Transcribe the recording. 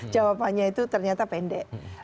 jawabannya itu ternyata pendek